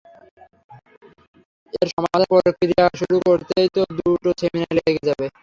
এর সমাধানের প্রক্রিয়া শুরু করতেই তো দুটো সেমিস্টার লেগে যাবে।